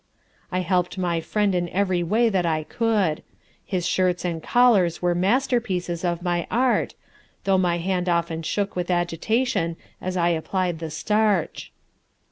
I helped my friend in every way that I could. His shirts and collars were masterpieces of my art, though my hand often shook with agitation as I applied the starch.